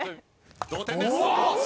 同点です。